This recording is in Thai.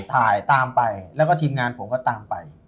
ถ่ายตามไปแล้วก็ทีมงานผมก็ตามไป